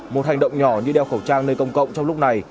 một hành động nhỏ như đeo khẩu trang nơi công cộng trong lúc này